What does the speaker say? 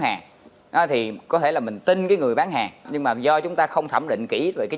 hàng thì có thể là mình tin cái người bán hàng nhưng mà do chúng ta không thẩm định kỹ về cái